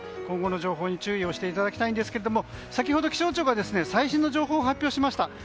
今後の情報に注意していただきたいんですけど先ほど、気象庁が最新の情報を発表しました。